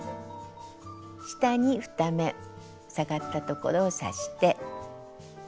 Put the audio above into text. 下に２目下がったところを刺して。